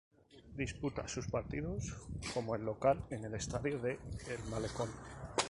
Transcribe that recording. Disputa sus partidos como local en el estadio de El Malecón.